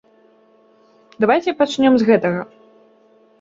Давайце пачнём з гэтага.